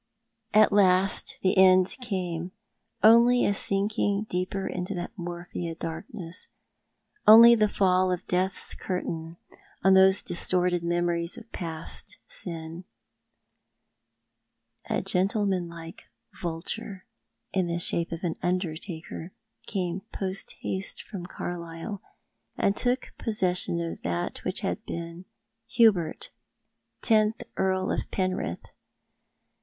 At last the end came — only a sinking deeper into that morphia darkness — only the fall of Death's curtain on those distoried ''For is not God All Mighty?'" zil memories of past sin. A gentlemanlike vulture — in the shape of an undertaker — came post haste from Carlisle, and took pos session of that which liad been Hubert, tentli Earl of Penrith.